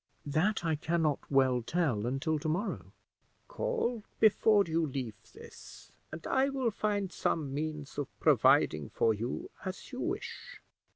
"That I can not well tell until to morrow." "Call before you leave this, and I will find some means of providing for you as you wish."